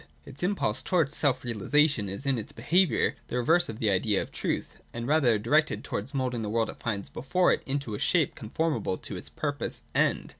Its impulse towards self realisation is in its behaviour the reverse of the idea of truth, and rather directed towards moulding the world it finds before it into a shape conformable to its purposed End.